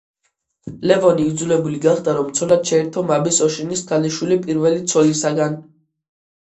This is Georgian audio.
ლევონი იძულებული გახდა, რომ ცოლად შეერთო მამის, ოშინის ქალიშვილი პირველი ცოლისაგან.